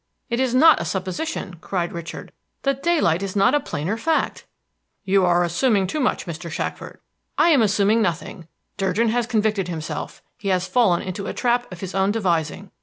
"It is not a supposition," cried Richard. "The daylight is not a plainer fact." "You are assuming too much, Mr. Shackford." "I am assuming nothing. Durgin has convicted himself; he has fallen into a trap of his own devising.